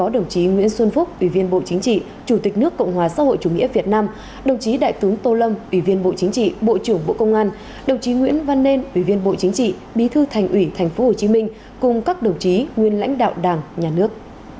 đồng chí nguyễn văn nên ủy viên bộ chính trị bí thư thành ủy tp hcm cùng các đồng chí nguyên lãnh đạo đảng nhà nước